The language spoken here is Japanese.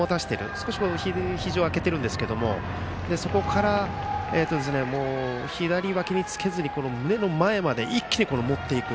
少しひじを開けてるんですけどもそこから左わきにつけずに目の前まで一気に持っていく。